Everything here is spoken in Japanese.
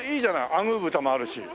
アグー豚もあるし。